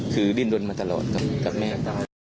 คือดินรนมาตลอดกับแม่ก็